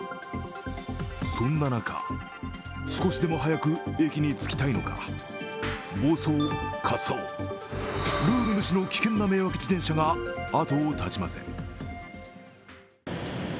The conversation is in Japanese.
そんな中、少しでも早く駅に着きたいのか、暴走、滑走、ルール無視の危険な迷惑自転車が後を絶ちません。